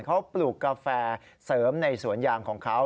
เขาปลูกกาแฟเสริมในสวนยางของเขา